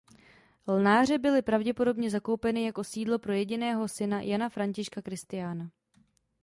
Lnáře byly pravděpodobně zakoupeny jako sídlo pro jediného syna Jana Františka Kristiána.